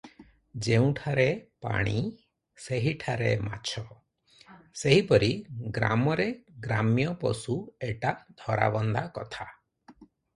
ଯେଉଁଠାରେ ପାଣି, ସେହିଠାରେ ମାଛ, ସେହିପରି ଗ୍ରାମରେ ଗ୍ରାମ୍ୟ ପଶୁ ଏଟା ଧରାବନ୍ଧା କଥା ।